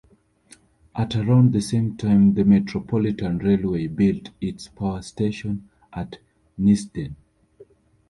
At around the same time the Metropolitan Railway built its power station at Neasden.